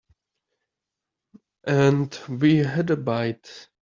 And we had a bite.